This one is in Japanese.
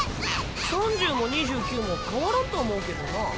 ３０も２９も変わらんと思うけどな。